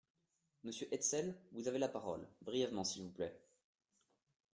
Monsieur Hetzel, vous avez la parole, brièvement s’il vous plaît.